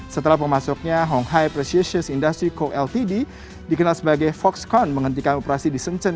setelah pemasuknya hong hai precious industry co ltd dikenal sebagai foxconn menghentikan operasi di shenzhen